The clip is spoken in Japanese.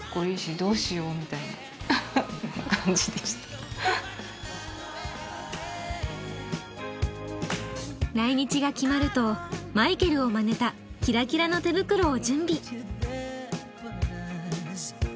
来日が決まるとマイケルをまねたキラキラの手袋を準備。